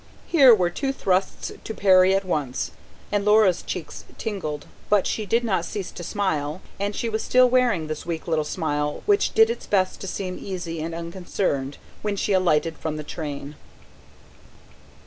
Here were two thrusts to parry at once, and Laura's cheeks tingled. But she did not cease to smile, and she was still wearing this weak little smile, which did its best to seem easy and unconcerned, when she alighted from the train.